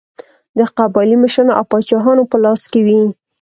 د قبایلي مشرانو او پاچاهانو په لاس کې وې.